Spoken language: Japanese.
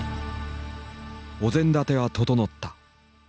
お膳立ては整った。